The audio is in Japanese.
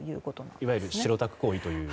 いわゆる白タク行為という。